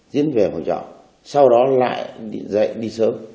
diễn về phòng trọ sau đó lại dậy đi sớm